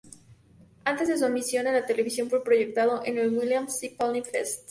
Antes de su emisión en televisión, fue proyectado en el William S. Paley Fest.